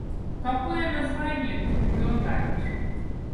Какое название ты предлагаешь?